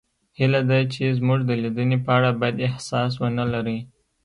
هیله ده چې زموږ د لیدنې په اړه بد احساس ونلرئ